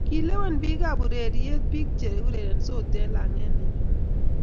kilewen biikab urerye biik che urerensot eng' lang'et ne nyone.